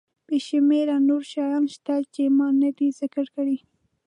بې شمېره نور شیان شته چې ما ندي ذکر کړي.